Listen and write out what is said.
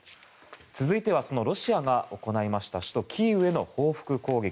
続いてロシアが行いました首都キーウへの報復攻撃。